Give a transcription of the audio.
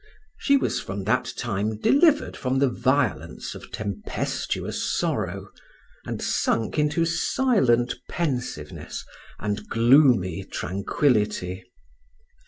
She was from that time delivered from the violence of tempestuous sorrow, and sunk into silent pensiveness and gloomy tranquillity.